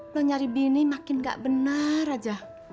lo nyari bini makin gak benar aja